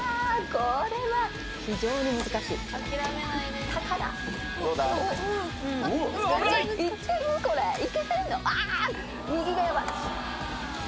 これは非常に難しいうっ危ない！